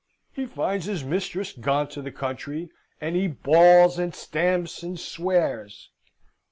He finds his mistress gone to the country, and he bawls, and stamps, and swears.